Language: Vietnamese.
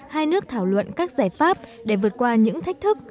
hai nước thảo luận các giải pháp để vượt qua những thách thức